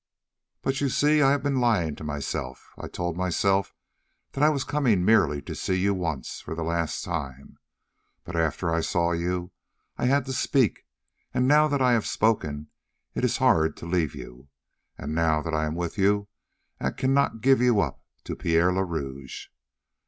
"But you see, I have been lying to myself. I told myself that I was coming merely to see you once for the last time. But after I saw you I had to speak, and now that I have spoken it is hard to leave you, and now that I am with you I cannot give you up to Pierre le Rouge."